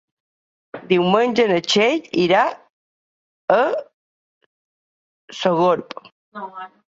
Diumenge na Txell irà a Sogorb.